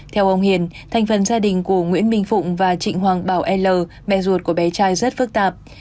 theo ông hiền thành phần gia đình của nguyễn minh phụng và trịnh hoàng bảo l mẹ ruột của bé trai rất phức tạp